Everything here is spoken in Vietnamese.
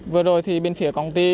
vừa rồi thì bên phía công ty